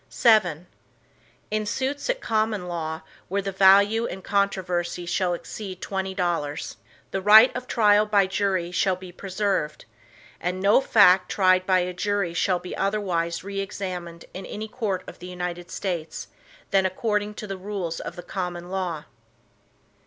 VII In suits at common law, where the value in controversy shall exceed twenty dollars, the right of trial by jury shall be preserved, and no fact tried by a jury shall be otherwise re examined in any court of the United States, than according to the rules of the common law.